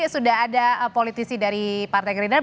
sudah ada politisi dari partai gerindra